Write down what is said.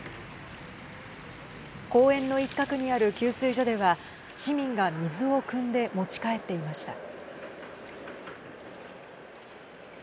公園の一角にある給水所では市民が水をくんで持ち帰っていました。